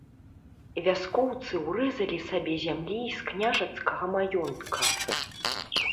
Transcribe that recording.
Вяскоўцы ўрэзалі сабе зямлі і з княжацкага маёнтка.